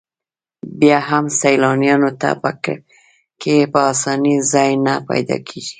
بیا هم سیلانیانو ته په کې په اسانۍ ځای نه پیدا کېږي.